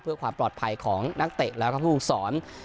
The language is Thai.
เพื่อความปลอดภัยของนักเตะแล้วครับคุณภูมิสอน